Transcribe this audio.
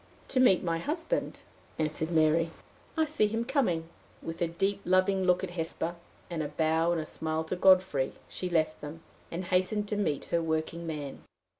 "To meet my husband," answered Mary. "I see him coming." With a deep, loving look at Hesper, and a bow and a smile to Godfrey, she left them, and hastened to meet her working man.